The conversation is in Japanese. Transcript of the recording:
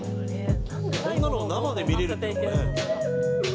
こんなのを生で見れるっていうのがね。